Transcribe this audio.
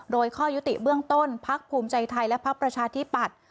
โดยข้อยุติเบื้องต้นพักภูมิใจไทยและพักประชาธิปัตย์